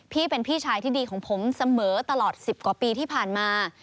พี่เป็นพี่ชายที่ดีของผมเสมอตลอด๑๐กว่าปีที่ผ่านมา